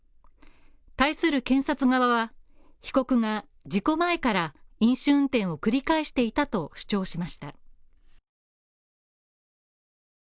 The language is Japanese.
対する検察側は被告が事故前から飲酒運転を繰り返していたと主張しました。